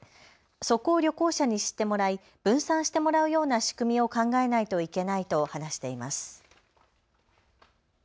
そこを旅行者に知ってもらい分散してもらうような仕組みを考えないといけないと話しています。